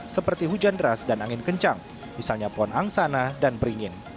seperti hujan deras dan angin kencang misalnya pohon angsana dan beringin